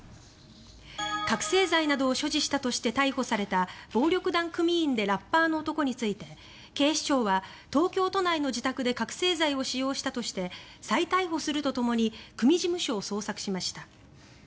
覚醒剤などを所持したとして逮捕された暴力団組員でラッパーの男について警視庁は東京都内の自宅で覚醒剤を使用したとして再逮捕するとともに組事務所を捜索しました。